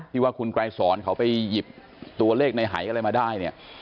ว่าคุณไกรสอนเขาไปหยิบตัวเลขในหายอะไรมาได้เนี่ย